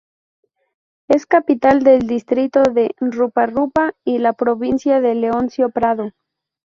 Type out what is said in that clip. Es capital del distrito de Rupa-Rupa y la provincia de Leoncio Prado.